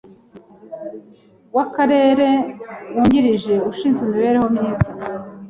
w’Akarere wungirije ushinzwe imibereho myiza;